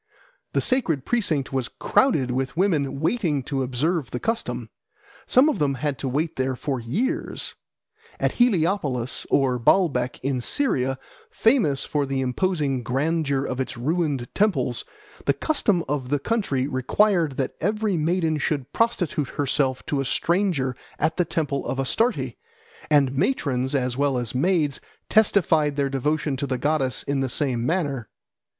The sacred precinct was crowded with women waiting to observe the custom. Some of them had to wait there for years. At Heliopolis or Baalbec in Syria, famous for the imposing grandeur of its ruined temples, the custom of the country required that every maiden should prostitute herself to a stranger at the temple of Astarte, and matrons as well as maids testified their devotion to the goddess in the same manner.